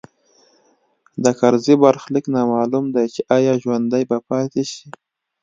د کرزي برخلیک نامعلوم دی چې ایا ژوندی به پاتې شي